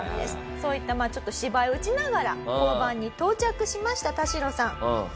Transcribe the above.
そういったちょっと芝居を打ちながら交番に到着しましたタシロさん。